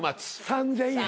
３，０００円。